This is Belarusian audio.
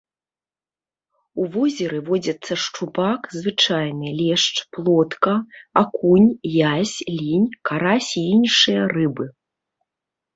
У возеры водзяцца шчупак звычайны, лешч, плотка, акунь, язь, лінь, карась і іншыя рыбы.